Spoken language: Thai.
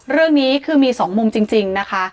เรื่องนี้คือมี๒มุมจริงนะคะ